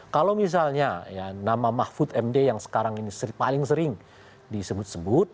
kalau misalnya nama mahfud md yang sekarang ini paling sering disebut sebut